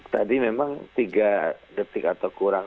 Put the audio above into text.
tadi memang tiga detik atau kurang